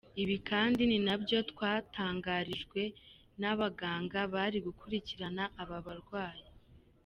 Ibi kandi ni nabyo twatangarijwe n’abaganga bari gukurikirana aba barwayi.